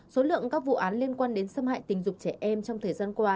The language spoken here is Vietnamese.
số lượng các vụ án liên quan đến xâm hại tình dục trẻ em trong thời gian qua